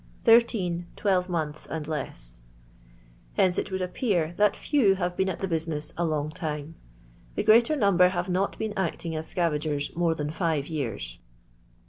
less. 6 „ 10 „ 16 „ Hence it would appear, that few hare been at the business a long time. The greater number have not been acting as scavagers more than five years.